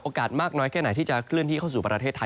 มากน้อยแค่ไหนที่จะเคลื่อนที่เข้าสู่ประเทศไทย